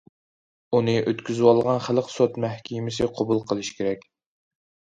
ئۇنى ئۆتكۈزۈۋالغان خەلق سوت مەھكىمىسى قوبۇل قىلىشى كېرەك.